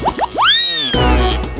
tidak ada yang bisa diingat